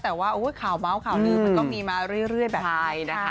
แต่ว่าข่าวเมาส์ข่าวลือมันก็มีมาเรื่อยแบบนี้นะคะ